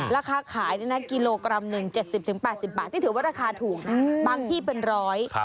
ราคาขายนี่นะกิโลกรัมหนึ่ง๗๐๘๐บาทนี่ถือว่าราคาถูกนะบางที่เป็นร้อย